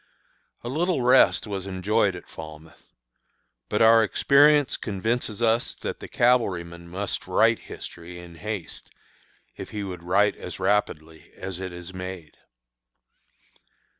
A little rest was enjoyed at Falmouth. But our experience convinces us that the cavalryman must write history in haste if he would write as rapidly as it is made.